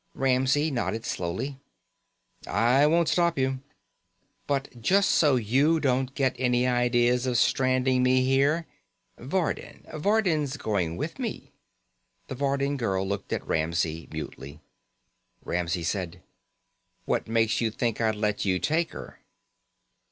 Ramsey nodded slowly. "I won't stop you." "But just so you don't get any ideas of stranding me here Vardin. Vardin's going with me." The Vegan girl looked at Ramsey mutely. Ramsey said: "What makes you think I'll let you take her?"